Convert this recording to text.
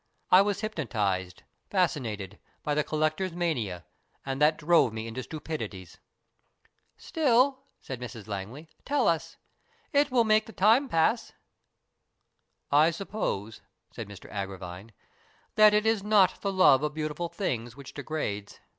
I was hypnotized, fascinated, by the collector's mania, and that drove me into stupidities." " Still," said Mrs Langley, " tell us. It will make the time pass." " I suppose," said Mr Agravine, " that it is not the love of beautiful things which degrades.